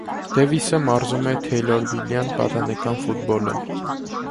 Դևիսը մարզում է Թեյլորվիլլյան պատանեկան ֆուտբոլը։